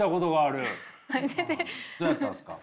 どうやったんですか？